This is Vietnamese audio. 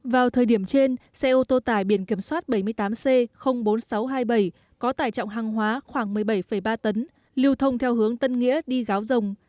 vào thời điểm trên xe ô tô tải biển kiểm soát bảy mươi tám c bốn nghìn sáu trăm hai mươi bảy có tải trọng hàng hóa khoảng một mươi bảy ba tấn lưu thông theo hướng tân nghĩa đi gáo rồng